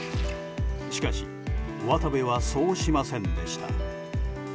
しかし渡部はそうしませんでした。